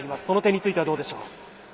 その点についてはどうでしょう？